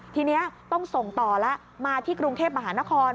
ทีนี้ต้องส่งต่อแล้วมาที่กรุงเทพมหานคร